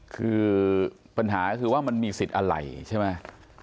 คือปัญหาก็คือว่ามันมีสิทธิ์อะไรใช่ไหม